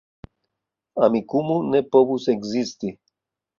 Amikumu ne povus ekzisti